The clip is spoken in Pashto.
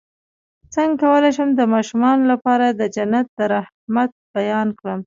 څنګه کولی شم د ماشومانو لپاره د جنت د رحمت بیان کړم